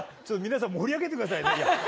ちょっと皆さん盛り上げて下さいね。